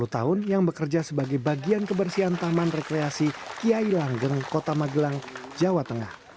sepuluh tahun yang bekerja sebagai bagian kebersihan taman rekreasi kiai langgeng kota magelang jawa tengah